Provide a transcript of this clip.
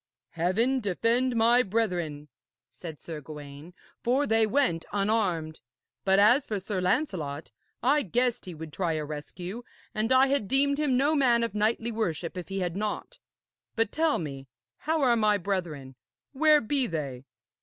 'Heaven defend my brethren,' said Sir Gawaine, 'for they went unarmed. But as for Sir Lancelot, I guessed he would try a rescue, and I had deemed him no man of knightly worship if he had not. But, tell me, how are my brethren. Where be they?'